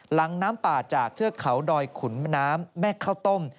หลังน้ำป่าจากเทือกเขาดอยขุนแม่น้ำแม่ข้าวต้ม